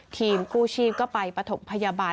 ทีมกู้ชีพก็ไปปฐมพยาบาล